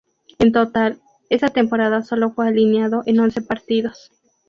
En total, esa temporada sólo fue alineado en once partidos.